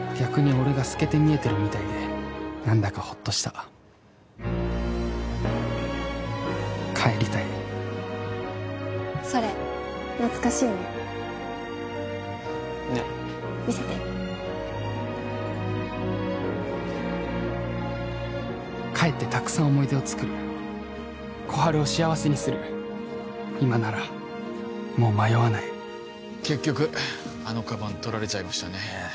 俺がすけて見えてるみたいで何だかホッとした帰りたいそれ懐かしいねねっ見せて帰ってたくさん思い出を作る小春を幸せにする今ならもう迷わない結局あのカバンとられちゃいましたね